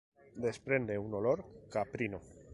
Desprende un olor caprino.